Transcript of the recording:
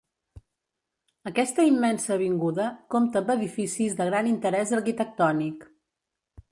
Aquesta immensa avinguda compta amb edificis de gran interès arquitectònic.